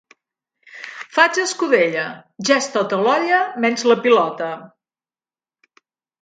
Faig escudella: ja és tot a l'olla menys la pilota.